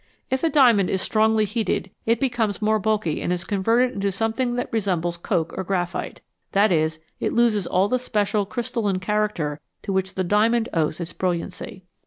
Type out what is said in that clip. If a diamond is strongly heated it becomes more bulky and is converted into something that resembles coke or graphite ; that is, it loses all the special crystalline character to which the diamond owes its brilliancy.